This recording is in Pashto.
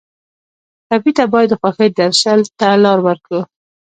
ټپي ته باید د خوښیو درشل ته لار ورکړو.